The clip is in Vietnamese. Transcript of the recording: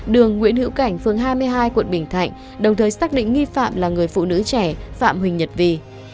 đường nguyễn hữu cảnh phường hai mươi hai quận bình thạnh đồng thời xác định nghi phạm là người phụ nữ trẻ phạm huỳnh nhật vi